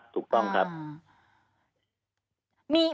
ถูกต้องครับ